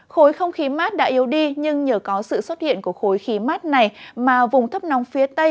khối không khí mát đã yếu đi nhưng nhờ có sự xuất hiện của khối khí mát này mà vùng thấp nóng phía tây